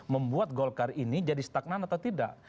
membuat golkar ini jadi stagnan atau tidak